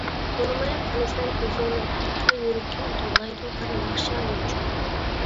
تونۇماي قالىسەن ئۆزۈڭنى ھەتتا يۈرىكىڭ توۋلايدۇ بىر ناخشا يوچۇن.